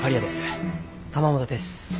玉本です。